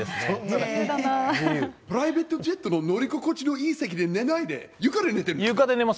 プライベートジェットの乗り心地のいい席で寝ないで、床で寝てるの？